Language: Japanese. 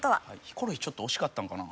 ヒコロヒーちょっと惜しかったんかな。